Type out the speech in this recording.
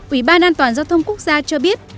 ủy ban an toàn giao thông quốc gia cho biết